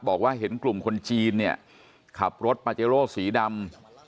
บอกว่าเห็นกลุ่มคนจีนเนี่ยขับรถปาเจโร่สีดำ